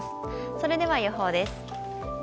それでは予報です。